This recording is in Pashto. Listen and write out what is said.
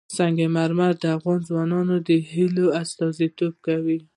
سنگ مرمر د افغان ځوانانو د هیلو استازیتوب کوي.